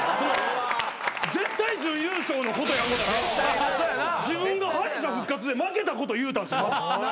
絶対準優勝のことや思うたら自分が敗者復活で負けたこと言うたんです。